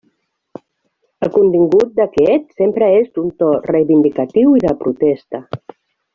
El contingut d'aquest sempre és d'un to reivindicatiu i de protesta.